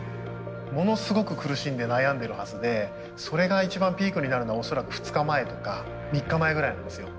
ものすごく苦しんで悩んでるはずでそれが一番ピークになるのは恐らく２日前とか３日前ぐらいなんですよ。